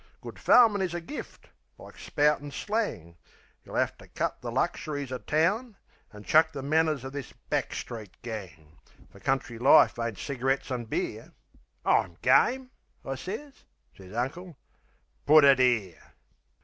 Good farmin' is a gift like spoutin' slang. Yeh'll 'ave to cut the luxuries o' town, An' chuck the manners of this back street gang; Fer country life ain't cigarettes and beer." "I'm game," I sez. Sez Uncle, "Put it 'ere!"